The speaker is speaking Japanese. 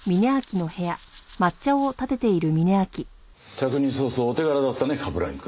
着任早々お手柄だったね冠城くん。